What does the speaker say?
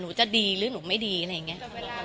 หนูไม่ดีอะไรอย่างเงี้ย